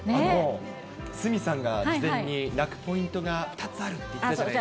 鷲見さんが事前に泣くポイントが２つあるっていったじゃないです